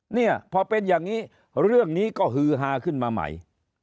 เนี่ยพอเป็นอย่างนี้เรื่องนี้ก็ฮือฮาขึ้นมาใหม่